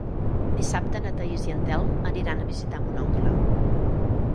Dissabte na Thaís i en Telm aniran a visitar mon oncle.